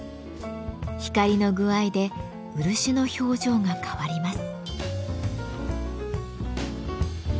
光の具合で漆の表情が変わります。